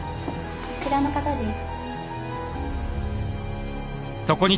あちらの方です。